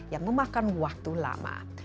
yang memakan waktu lama